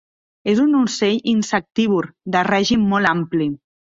És un ocell insectívor de règim molt ampli.